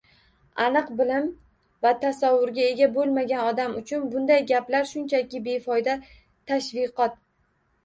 Aniq bilim va tasavvurga ega bo‘lmagan odam uchun bunday gaplar – shunchaki befoyda tashviqot.